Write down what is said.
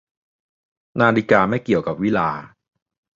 นาฬิกาไม่เกี่ยวกับวิฬาร์